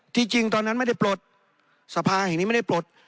จริงตอนนั้นไม่ได้ปลดสภาแห่งนี้ไม่ได้ปลด